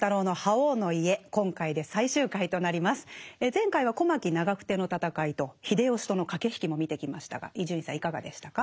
前回は小牧・長久手の戦いと秀吉との駆け引きも見てきましたが伊集院さんいかがでしたか？